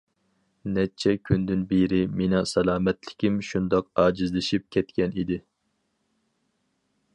نەچچە كۈندىن بېرى، مېنىڭ سالامەتلىكىم شۇنداق ئاجىزلىشىپ كەتكەن ئىدى.